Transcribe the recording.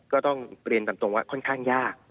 ก็ต้องเรียนตามตรงว่าค่อนข้างยาก